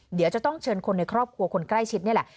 เดี๋ยวจะต้องเชิญคนในครอบครัวคนใกล้ชิดนี่แหละ